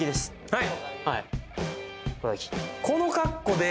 はい